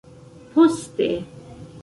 Poste.